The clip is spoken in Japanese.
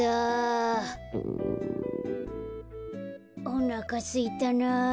おなかすいたな。